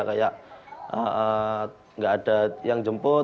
kayak nggak ada yang jemput